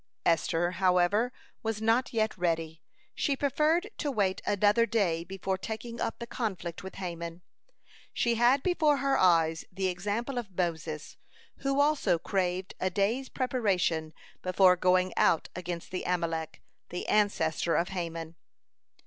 Esther, however, was not yet ready; she preferred to wait another day before taking up the conflict with Haman. She had before her eyes the example of Moses, who also craved a day's preparation before going out against Amalek, the ancestor of Haman.